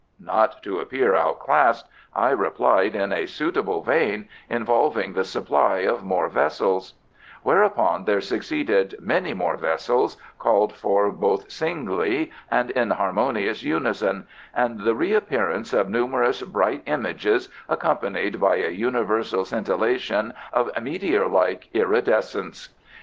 Not to appear out classed I replied in a suitable vein, involving the supply of more vessels; whereupon there succeeded many more vessels, called for both singly and in harmonious unison, and the reappearance of numerous bright images, accompanied by a universal scintillation of meteor like iridescence.